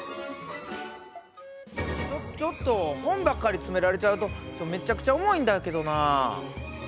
ちょっちょっと本ばっかり詰められちゃうとめっちゃくちゃ重いんだけどなあ。